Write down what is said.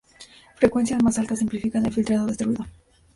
Frecuencias más altas simplifican el filtrado de este ruido.